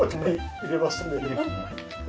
入れます。